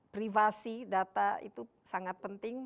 privasi data itu sangat penting